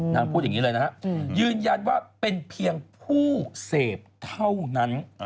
พูดอย่างนี้เลยนะฮะยืนยันว่าเป็นเพียงผู้เสพเท่านั้น